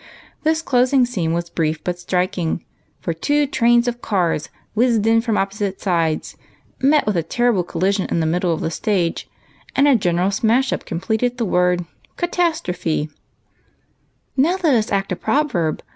This closing scene was brief but striking, for two trains of cars whizzed in from opposite sides, met with a terrible collision in the middle of the stage, and a general smash up completed the word catastrophe, " Now let us act a proverb.